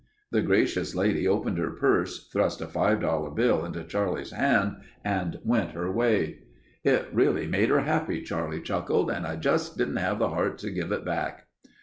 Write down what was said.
The gracious lady opened her purse, thrust a five dollar bill into Charlie's hand and went her way. "It really made her happy," Charlie chuckled, "and I just didn't have the heart to give it back."